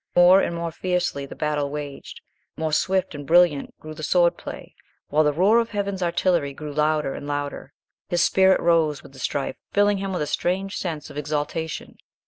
More and more fiercely the battle waged; more swift and brilliant grew the sword play, while the roar of heaven's artillery grew louder and louder. His spirit rose with the strife, filling him with a strange sense of exaltation.